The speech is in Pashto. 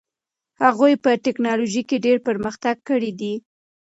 هغوی په ټیکنالوژۍ کې ډېر پرمختګ کړی دي.